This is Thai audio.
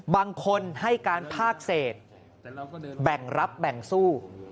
บางคนให้การภาคเศษแบ่งรับแบ่งสู้